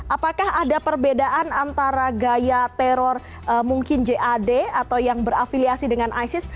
apakah ada perbedaan antara gaya teror mungkin jad atau yang berafiliasi dengan isis